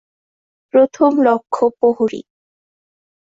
প্রথম লক্ষ্য প্রহরী।